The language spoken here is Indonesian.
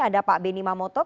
ada pak benny mamoto